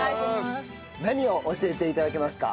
何を教えて頂けますか？